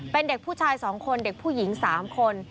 เป็นเด็กผู้ชาย๒คนเด็กผู้หญิง๓คน